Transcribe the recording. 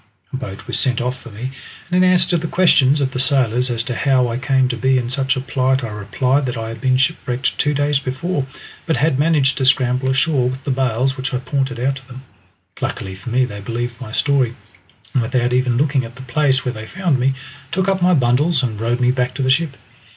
A boat was sent off to me, and in answer to the questions of the sailors as to how I came to be in such a plight, I replied that I had been shipwrecked two days before, but had managed to scramble ashore with the bales which I pointed out to them. Luckily for me they believed my story, and without even looking at the place where they found me, took up my bundles, and rowed me back to the ship.